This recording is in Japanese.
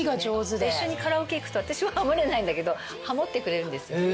一緒にカラオケ行くと私はハモれないんだけどハモってくれるんです。